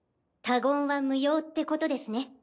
他言は無用ってことですね。